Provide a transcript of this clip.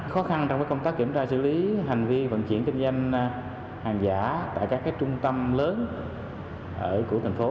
khó khăn trong công tác kiểm tra xử lý hành vi vận chuyển kinh doanh hàng giả tại các trung tâm lớn của thành phố